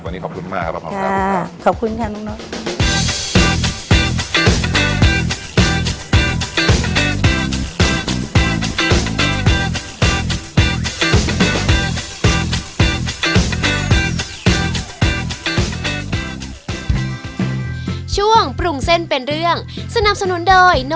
วันนี้ขอบคุณมากครับขอบคุณครับทุกคน